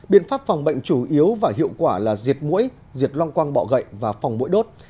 biện pháp phòng bệnh chủ yếu và hiệu quả là diệt mũi diệt loang quang bọ gậy và phòng mũi đốt